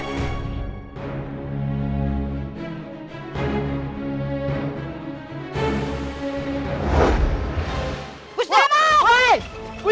aku akan menangkanmu